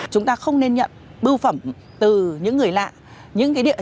chúng ta không nên nhận bưu phẩm từ những người lạ những cái địa chỉ lạ